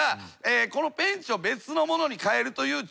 このペンチを別のものに変えるというちょい足し。